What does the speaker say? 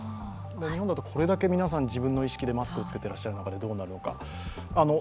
日本だとこれだけ皆さん自分の意思でマスクを着けていてどうなるのか。